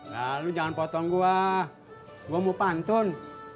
nah lo jangan potong gua gua mau pantun